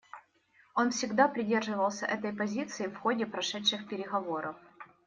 Он всегда придерживался этой позиции в ходе прошедших переговоров.